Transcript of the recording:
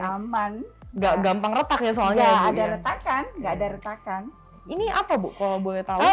aman nggak gampang retak ya soalnya ada retakan nggak ada retakan ini apa bu kalau boleh tahu